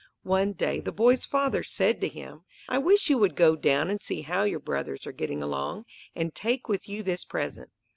One day the boy's father said to him, "I wish you would go down and see how your brothers are getting along, and take with you this present."